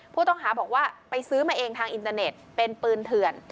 ผู้ต้องหาบอกว่าไปซื้อมาเองทางอินเตอร์เน็ตเป็นปืนเถื่อน